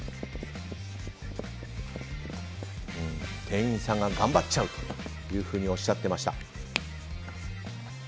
店員さんが頑張っちゃうとおっしゃっていました。